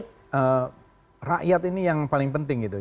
tapi rakyat ini yang paling penting gitu